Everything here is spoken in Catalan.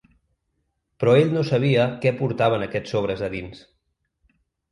Però ell no sabia què portaven aquests sobres a dins.